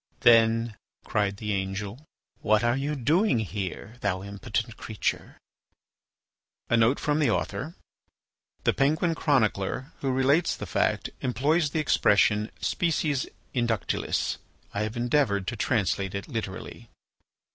"Then," cried the angel, "what art thou doing here, thou impotent creature?" The Penguin chronicler who relates the fact employs the expression, Species inductilis. I have endeavoured to translate it literally.